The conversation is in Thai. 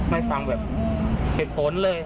ไม่ฟังแบบเสร็จโผล่นเลย